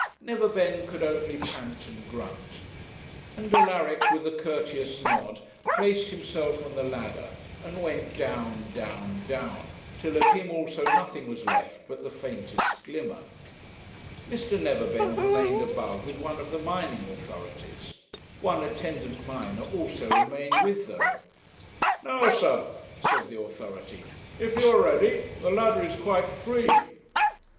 Neverbend could only pant and grunt, and Alaric, with a courteous nod, placed himself on the ladder, and went down, down, down, till of him also nothing was left but the faintest glimmer. Mr. Neverbend remained above with one of the mining authorities; one attendant miner also remained with them. 'Now, Sir,' said the authority, 'if you are ready, the ladder is quite free.'